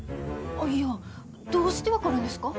アイヤーどうして分かるんですか？